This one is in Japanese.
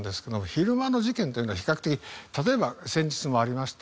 昼間の事件というのは比較的例えば先日もありました